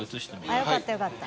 よかったよかった。